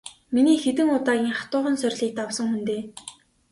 Миний хэдэн удаагийн хатуухан сорилтыг давсан хүн дээ.